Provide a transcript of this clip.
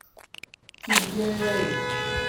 Qu’ils viennent !